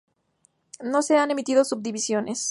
No se han emitido subdivisiones.